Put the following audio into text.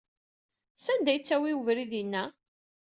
Sanda ay yettawey webrid-inna?